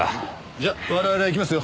じゃあ我々は行きますよ。